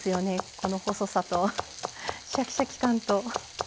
この細さとシャキシャキ感と。